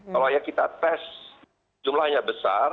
kalau yang kita tes jumlahnya besar